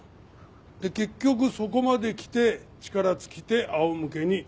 で結局そこまで来て力尽きて仰向けに倒れたと。